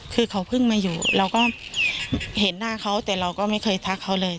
คือเขาเพิ่งมาอยู่เราก็เห็นหน้าเขาแต่เราก็ไม่เคยทักเขาเลย